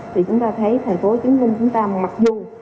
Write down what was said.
kể từ ngày tiết xuất thực tiếp với f